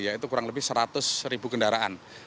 yaitu kurang lebih seratus ribu kendaraan